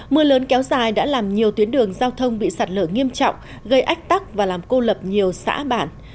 mưa lớn kéo dài đã làm nhiều tuyến đường giao thông bị sạt lở nghiêm trọng gây ách tắc và làm cô lập nhiều xã bản